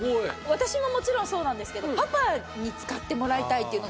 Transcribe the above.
私ももちろんそうなんですけどパパに使ってもらいたいっていうのがあるので。